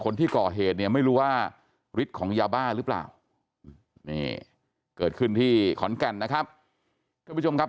นี้เกิดขึ้นที่ขอนแก่นนะครับทุกผู้ชมครับ